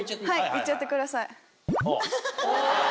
いっちゃってください。